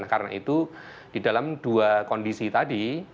karena itu di dalam dua kondisi tadi